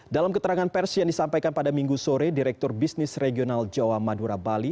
dalam keterangan pers yang disampaikan pada minggu sore direktur bisnis regional jawa madura bali